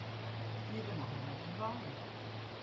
It gie der nochal wat om wei!